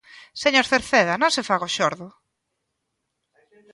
¡Señor Cerceda, non se faga o xordo!